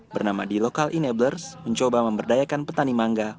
bernama the local enablers mencoba memberdayakan petani mangga